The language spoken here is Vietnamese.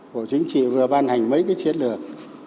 bộ chính trị vừa ban hành mấy cái chiến lược